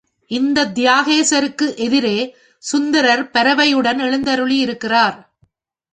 இந்தத் தியாகேசருக்கு எதிரே சுந்தரர் பரவையுடன் எழுந்தருளி இருக்கிறார்.